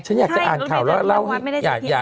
ฉันอยากจะอ่านข่าวเล่าอย่างงี้